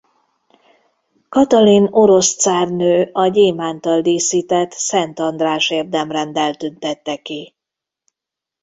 Katalin orosz cárnő a gyémánttal díszített Szent András érdemrenddel tüntette ki.